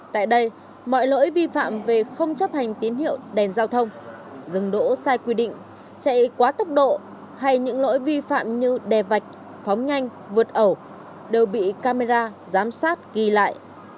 tại đây mọi lỗi vi phạm về không chấp hành tín hiệu đèn giao thông dừng đỗ sai quy định chạy quá tốc độ hay những lỗi vi phạm như đè vạch phóng nhanh vượt ẩu đều bị camera giám sát ghi lại